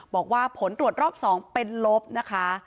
บอกว่าผลตรวจรอบ๒เป็นลบนะคะ